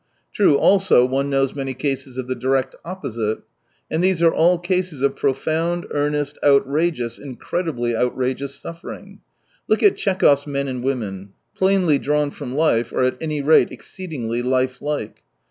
True also, one knows many cases of the direct opposite. And these are all cases of profound, earnest, outrageous, incredibly outrageous suffering. Look at Tchekhov's men and women — plainly drawn from life, or at any rate, exceedingly life I like.